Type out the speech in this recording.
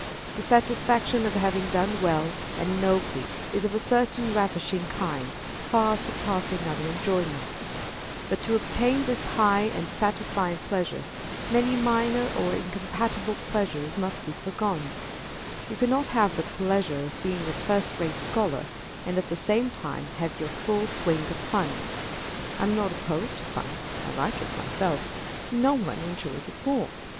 The satisfaction of having done well and nobly is of a certain ravishing kind, far surpassing other enjoyments. But to obtain this high and satisfying pleasure, many minor and incompatible pleasures must be foregone. You cannot have the pleasure of being a first rate scholar, and at the same time have your full swing of fun. I am not opposed to fun. I like it myself. No one enjoys it more.